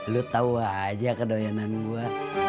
lu tahu aja kedoyanan gua